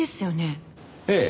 ええ。